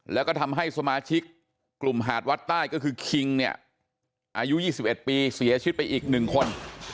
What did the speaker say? แล้วก็ทำให้สมาชิกกลุ่มหาดวัดใต้ก็คือคิงเนี่ยอายุ๒๑ปีเสียชีวิตไปอีก๑คน